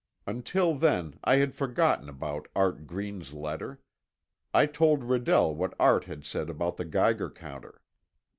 Until then, I had forgotten about Art Green's letter. I told Redell what Art had said about the Geiger counter.